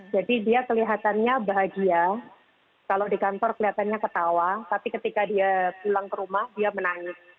jadi dia kelihatannya bahagia kalau di kantor kelihatannya ketawa tapi ketika dia pulang ke rumah dia menangis